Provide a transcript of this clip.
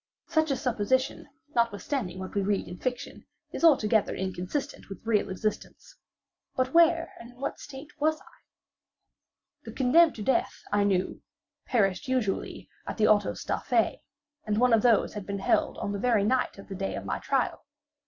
Such a supposition, notwithstanding what we read in fiction, is altogether inconsistent with real existence;—but where and in what state was I? The condemned to death, I knew, perished usually at the autos da fe, and one of these had been held on the very night of the day of my trial.